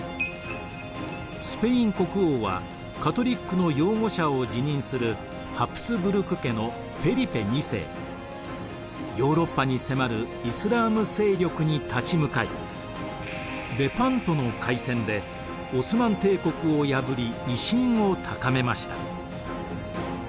スペイン国王はカトリックの擁護者を自任するハプスブルク家のヨーロッパに迫るイスラーム勢力に立ち向かいレパントの海戦でオスマン帝国を破り威信を高めました。